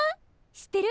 知ってる？